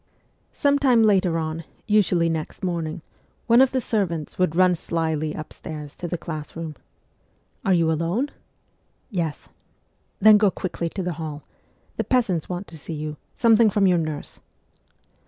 Some time later on, usually next morning, one of the servants would run slyly upstairs to the class room. ' Are you alone ?' 'Yes.' ' Then go quickly to the hall. The peasants want to see you; something from your nurse.'